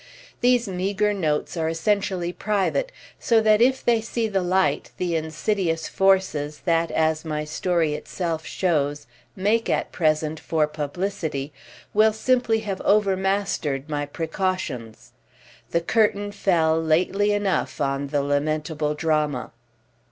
These meagre notes are essentially private, so that if they see the light the insidious forces that, as my story itself shows, make at present for publicity will simply have overmastered my precautions. The curtain fell lately enough on the lamentable drama.